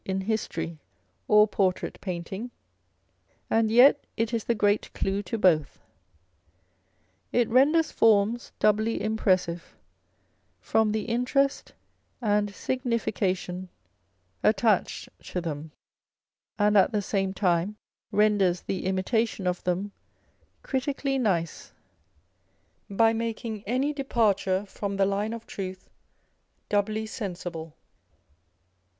in history or portrait painting, and yet it is the great clue to both. It renders forms doubly impressive from the interest and signification attached to them, and at the same time renders the imitation of them critically nice, by making any departure from the line of truth doubly sensible.